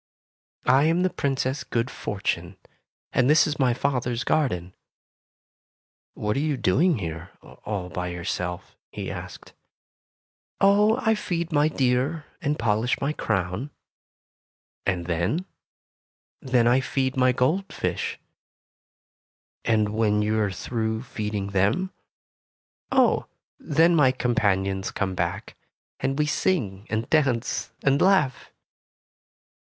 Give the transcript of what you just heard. "I am the Princess Good Fortune, and this is my father's garden." "What are you doing here, all by your self?" he asked. 58 Tales of Modern Germany ''Oh, I feed my deer, and polish my crown ''— "And then?'' "Then I feed my gold fish." "And when you are through feeding them?" "Oh, then my companions come back, and we sing and dance and laugh."